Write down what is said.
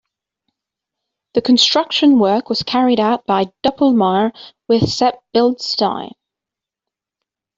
The construction work was carried out by Doppelmayr with Sepp Bildstein.